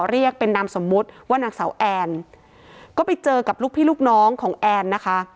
เรียกเป็นนามสมมุติว่านางสาวแอนก็ไปเจอกับลูกพี่ลูกน้องของแอนนะคะ